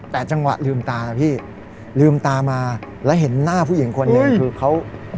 แต่จังหวะลืมตานะพี่ลืมตามาแล้วเห็นหน้าผู้หญิงคนหนึ่งคือเขา